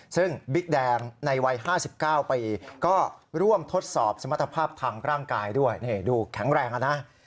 ซึ่งบิ๊กแดงในวัย๕๙ปีก็ร่วมทดสอบสมรรถภาพทางร่างกายด้วยดูแข็งแรงนะ